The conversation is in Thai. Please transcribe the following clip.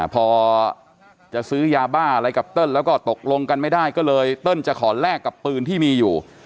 พอจะซื้อยาบ้าอะไรกับเติ้ลแล้วก็ตกลงกันไม่ได้ก็เลยเติ้ลจะขอแลกกับปืนที่มีอยู่